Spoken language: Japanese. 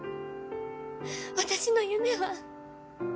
私の夢は？